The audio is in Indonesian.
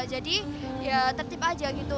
jadi ya tertip aja gitu